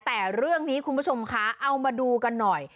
แต่เรื่องนี้คุณผู้ชมคะเอามาดูกันหน่อย